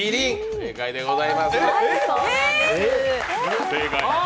正解でございます。